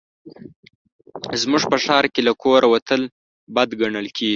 زموږ په ښار کې له کوره وتل بد ګڼل کېږي